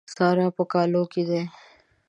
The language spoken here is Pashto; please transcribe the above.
سارا په کالو کې ده.